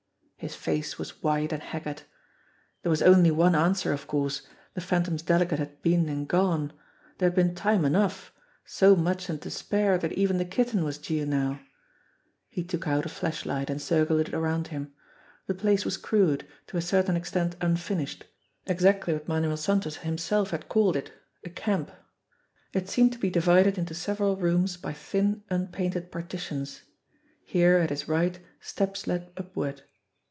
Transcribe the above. His face was white and haggard. There was only one answer of course the Phantom's delegate had been and gone. There had been time enough so much and to spare that even the Kitten was due now. He took out a flashlight and circled it around him. The place was crude, to a certain extent unfinished ; exactly what 248 JIMMIE DALE AND THE PHANTOM CLUE Manuel Santos himself had called it a camp. It seemed to be divided into several rooms by thin, unpainted parti tions. Here at his right, steps led upward.